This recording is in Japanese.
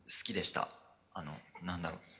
あの何だろう